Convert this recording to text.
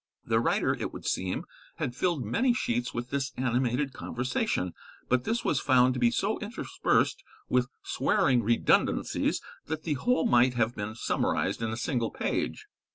The writer, it would seem, had filled many sheets with this animated conversation, but this was found to be so interspersed with swearing redundancies that the whole might have been summarised in a single page.